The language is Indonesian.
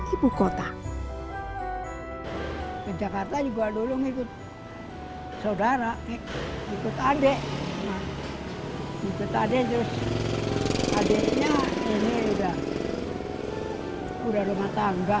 ibu kota ke jakarta juga dulu ngikut saudara ikut adik adek adiknya ini udah udah rumah tangga